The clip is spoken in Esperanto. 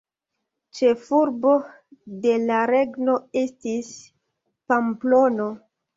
Ĉefurbo de la regno estis Pamplono.